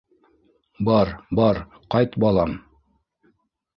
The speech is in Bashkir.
— Бар, бар, ҡайт, балам.